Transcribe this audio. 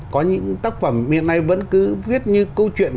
có những tác phẩm hiện nay vẫn cứ viết như câu chuyện